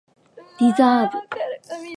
リザーブ